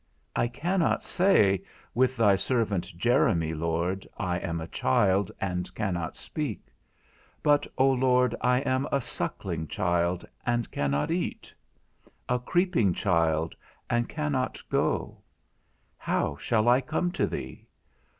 I cannot say, with thy servant Jeremy, Lord, I am a child, and cannot speak; but, O Lord, I am a sucking child, and cannot eat; a creeping child, and cannot go; how shall I come to thee?